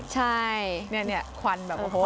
ใช่นี่ควันแบบ